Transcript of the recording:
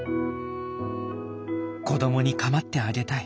子どもに構ってあげたい。